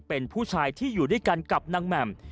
เป็นผู้ชายที่อยู่ด้วยกันกับนางแหม่ม